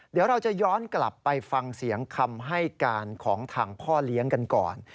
เดี๋ยวเราจะย้อนกลับไปฟังเสียงคำให้การของทางพ่อเลี้ยงกันก่อน